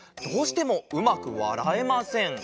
どうしてもうまくわらえません」。